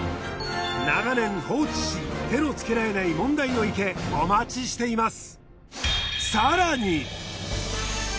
長年放置し手のつけられない問題の池お待ちしています。